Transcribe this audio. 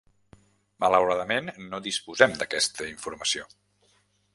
Malauradament no disposem d'aquesta informació.